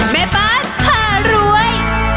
แม่บ้านผ่ารวย